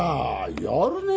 やるねえ！